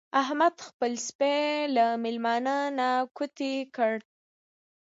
احمد خپل سپی له مېلمانه نه کوتې کړ.